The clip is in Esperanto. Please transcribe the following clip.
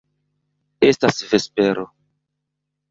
Estas vespero.